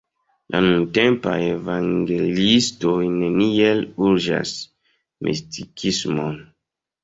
La nuntempaj evangeliistoj neniel urĝas mistikismon.